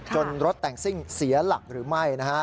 จนรถแต่งสิ้งเสียหลักหรือไม่